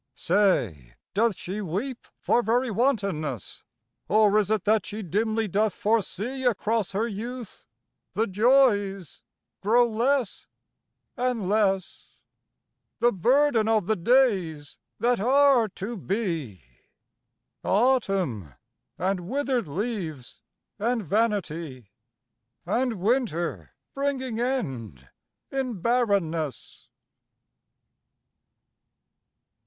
Say, doth she weep for very wantonness? Or is it that she dimly doth foresee Across her youth the joys grow less and less The burden of the days that are to be: Autumn and withered leaves and vanity, And winter bringing end in barrenness.